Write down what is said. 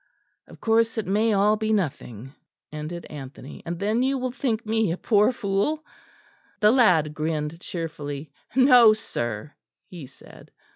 "Of course it may all be nothing," ended Anthony, "and then you will think me a poor fool?" The lad grinned cheerfully. "No, sir," he said.